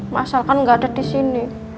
masal kan gak ada disini